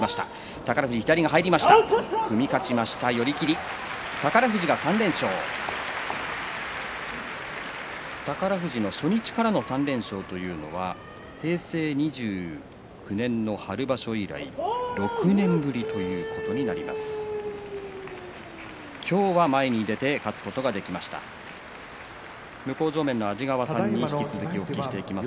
宝富士の初日からの３連勝というのは平成２９年の春場所以来６年ぶりということになります。